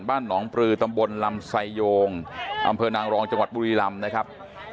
บ้านหนองปลือตำบลลำไซโยงอำเภอนางรองจังหวัดบุรีลำนะครับ